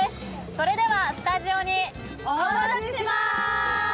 それでは、スタジオにお戻ししまーす。